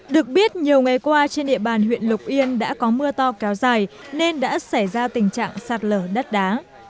được biết nhiều ngày qua trên địa bàn huyện lục yên đã có mưa to kéo dài nên đã xảy ra tình trạng sạt lở đất đá